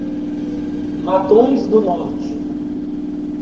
Matões do Norte